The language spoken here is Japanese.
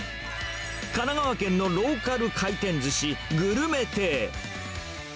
神奈川県のローカル回転ずし、ぐるめ亭。